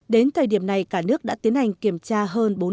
đến thời điểm này cả nước đã tiến hành kiểm tra hơn bốn năm